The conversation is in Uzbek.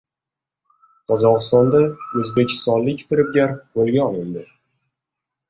Qozog‘istonda o‘zbekistonlik firibgar qo‘lga olindi